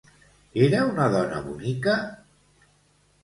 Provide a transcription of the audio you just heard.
Era una dona bonica?